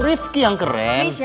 rifqi yang keren